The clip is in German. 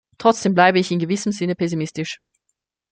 Trotzdem bleibe ich in gewissem Sinne pessimistisch.